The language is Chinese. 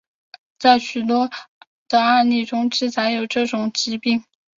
在许多的案例中记载有这种疾病。